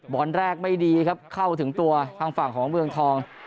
ตอนแรกไม่ดีครับเข้าถึงตัวทางฝั่งของเมืองทอง